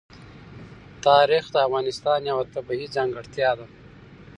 تاریخ د افغانستان یوه طبیعي ځانګړتیا ده.